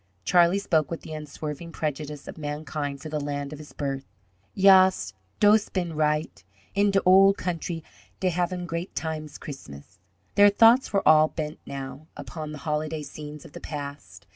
Charlie spoke with the unswerving prejudice of mankind for the land of his birth. "Yas, dose been right. En da ol' kontry dey havin' gret times Christmas." Their thoughts were all bent now upon the holiday scenes of the past.